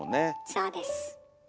そうです。